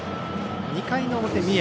２回の表、三重。